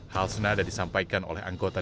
hal senada disampaikan oleh anggota